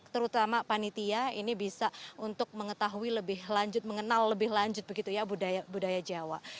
terutama panitia ini bisa untuk mengetahui lebih lanjut mengenal lebih lanjut begitu ya budaya jawa